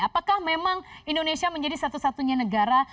apakah memang indonesia menjadi satu satunya negara